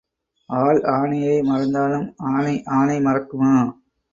ஆள் ஆனையை மறந்தாலும் ஆனை ஆனை மறக்குமா?